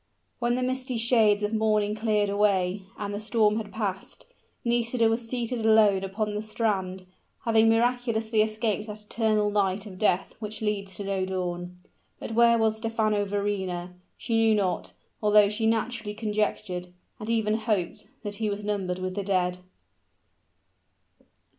When the misty shades of morning cleared away, and the storm had passed, Nisida was seated alone upon the strand, having miraculously escaped that eternal night of death which leads to no dawn. But where was Stephano Verrina? She knew not; although she naturally conjectured, and even hoped, that he was numbered with the dead.